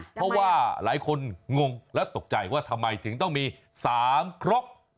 เพราะว่าหลายคนงงและตกใจว่าทำไมถึงต้องมี๓ครก